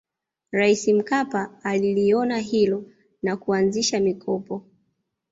rais mkpa aliliona hilo na kuanzisha mikopo